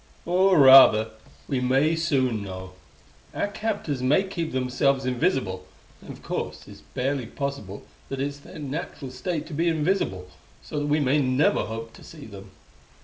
"Or, rather, we may soon know. Our captors may keep themselves invisible; and of course it's barely possible that it's their natural state to be invisible, so that we may never hope to see them.